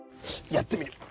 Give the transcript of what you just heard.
やってみる。